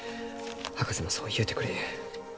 博士もそう言うてくれゆう。